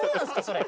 それ。